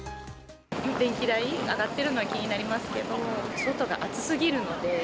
電気代上がってるのは気になりますけど、外が暑すぎるので。